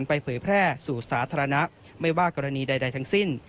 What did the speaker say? เผยแพร่สู่สาธารณะไม่ว่ากรณีใดทั้งสิ้น